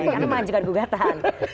karena mah anjirkan gugatan